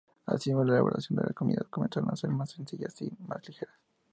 Asimismo, la elaboración de las comidas comenzó a ser más sencilla y más ligera.